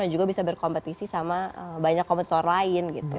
dan juga bisa berkompetisi sama banyak kompetitor lain gitu